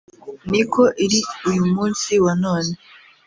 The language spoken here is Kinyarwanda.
ni ko iri uyu munsi wa none